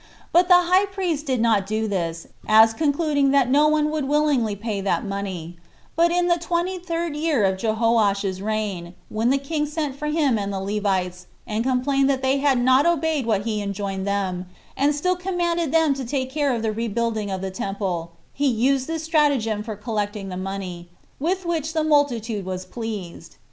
But the high priest did not do this, as concluding that no one would willingly pay that money; but in the twenty third year of Jehoash's reign, when the king sent for him and the Levites, and complained that they had not obeyed what he enjoined them, and still commanded them to take care of the rebuilding the temple, he used this stratagem for collecting the money, with which the multitude was pleased.